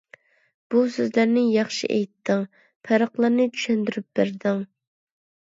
بۇ سۆزلەرنى ياخشى ئېيتتىڭ. پەرقلەرنى چۈشەندۈرۈپ بەردىڭ.